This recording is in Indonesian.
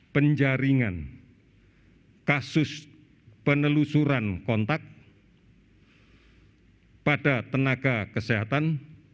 penjaringan kasus penelusuran kontak pada tenaga kesehatan